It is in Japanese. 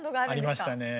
ありましたね。